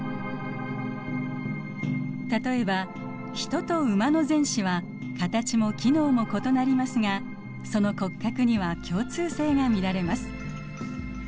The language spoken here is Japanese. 例えばヒトとウマの前肢は形も機能も異なりますがその骨格には共通性が見られます。